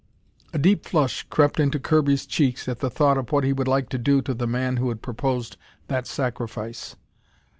A deep flush crept into Kirby's cheeks at thought of what he would like to do to the man who had proposed that sacrifice.